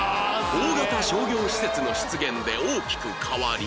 大型商業施設の出現で大きく変わり